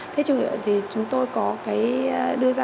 thế chúng tôi có cái đưa ra